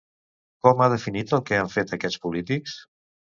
Com ha definit el que han fet aquests polítics?